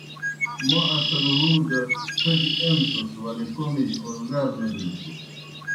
موْ اصل ہُودہ څھوْدیْ ایمسَس ولے کوْمِجیْ اوزگار نہ بِلوْسُس۔